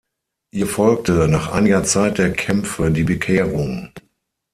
Ihr folgte nach einiger Zeit der Kämpfe die Bekehrung.